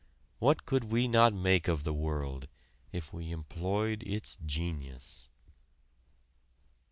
What could we not make of the world if we employed its genius!